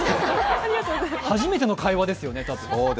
たぶん初めての会話ですよね。